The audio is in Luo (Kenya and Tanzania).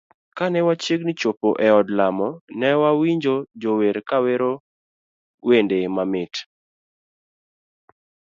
Kane wachiegni chopo e od lamo, newawinjo jo wer kawero wende mamit.